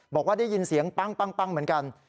บอกว่าได้ยินเสียงปั้งเหมือนกัน